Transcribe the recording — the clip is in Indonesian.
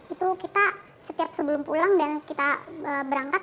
itu kita setiap sebelum pulang dan kita berangkat